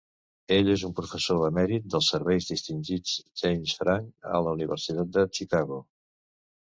Ell és el professor emèrit de serveis distingits James Franck a la Universitat de Chicago.